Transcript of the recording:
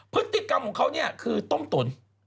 พฤติกรรมของเขาเนี่ยคือต้มตุ๋น